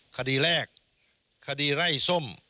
คดีแรกคดีไล่ส้ม